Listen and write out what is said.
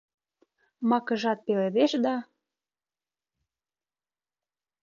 Макыжат пеледеш да